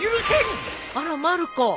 あらまる子。